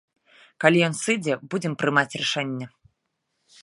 Калі ён сыдзе, будзем прымаць рашэнне.